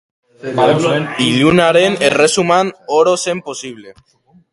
Ilunaren erresuman, oro zen posible.